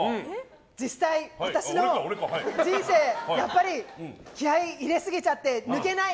実際、私の人生やっぱり気合入れすぎちゃって抜けない。